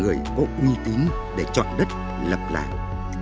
người có uy tín để chọn đất lập làng